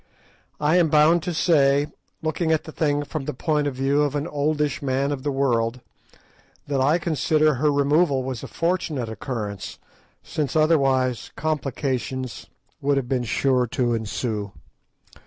I am bound to say, looking at the thing from the point of view of an oldish man of the world, that I consider her removal was a fortunate occurrence, since, otherwise, complications would have been sure to ensue.